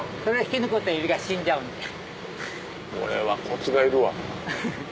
これはコツがいるわ。